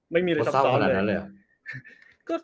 ไม่มีอะไรซับซ้อนเลย